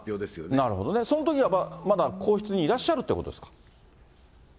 なるほどね、そのときはまだ皇室にいらっしゃるということですか？